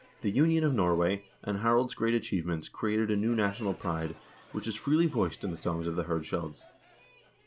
The union of Norway, and Harald's great achievements created a new national pride, which is freely voiced in the songs of the hirdscalds.